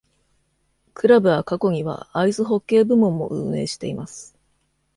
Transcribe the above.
クラブは過去にはアイスホッケー部門も運営しています。